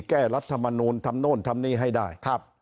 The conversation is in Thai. รัฐมนูลทำโน่นทำนี่ให้ได้